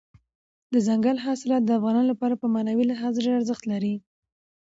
دځنګل حاصلات د افغانانو لپاره په معنوي لحاظ ډېر ارزښت لري.